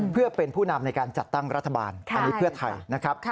เพื่อเป็นผู้นำในการจัดตั้งรัฐบาลอันนี้เพื่อไทยนะครับ